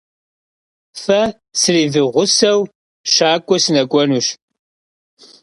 Fe srifığuseu şak'ue sınek'uenuş.